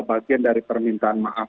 bagian dari permintaan maaf